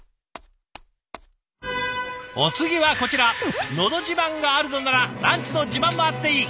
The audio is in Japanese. お次はこちら「のど自慢」があるのならランチの自慢もあっていい。